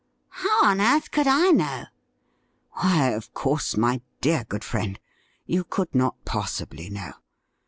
' How on earth could I know ?'' Why, of com se, my dear, good friend, you could not possibly know.